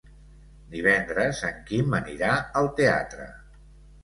Divendres en Quim anirà al teatre.